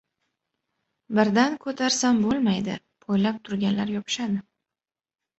Birdan ko‘tarsam bo‘lmaydi, poylab turganlar yopishadi.